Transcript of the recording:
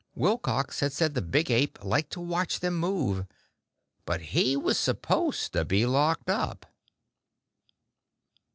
Wilcox had said the big ape liked to watch them move ... but he was supposed to be locked up.